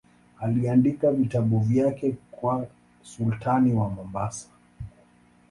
Aliandika vitabu vyake kwa sultani wa Mombasa.